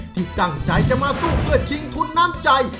ที่ตั้งใจจะมาสู้เพื่อชิงทุนน้ำใจ